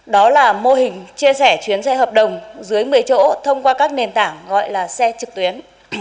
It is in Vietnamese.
đó là mô hình chia sẻ chuyến xe hợp đồng dưới một mươi chỗ thông qua các nền tảng gọi là xe trực tuyến